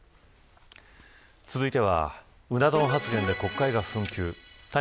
続いては、うな丼発言で国会が紛糾。